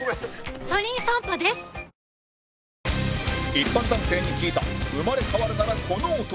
一般男性に聞いた生まれ変わるならこの男